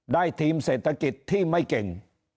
ทีมเศรษฐกิจที่ไม่เก่ง